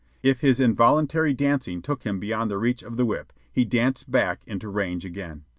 If his involuntary dancing took him beyond the reach of the whip, he danced back into range again.